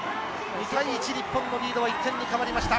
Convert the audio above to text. ２対１、日本のリードは１点に変わりました。